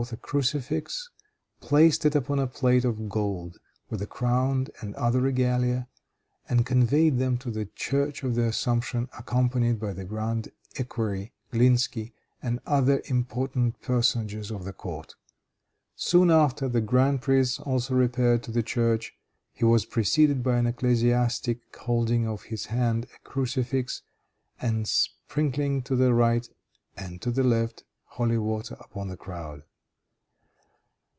a crucifix, placed it upon a plate of gold with the crown and other regalia, and conveyed them to the church of the Assumption accompanied by the grand equerry, Glinsky, and other important personages of the court. Soon after, the grand prince also repaired to the church. He was preceded by an ecclesiastic holding in his hand a crucifix, and sprinkling to the right and to the left holy water upon the crowd.